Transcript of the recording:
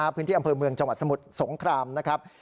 พื้นที่อำเภอเมืองจังหวัดสมุทรสงครามนะครับ